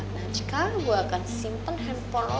nah jika gue akan simpen handphone